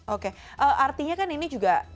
oke artinya kan ini juga